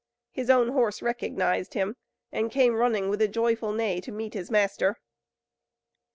His own horse recognized him, and came running with a joyful neigh to meet his master.